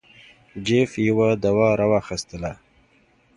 جیف یوه دوا را واخیستله.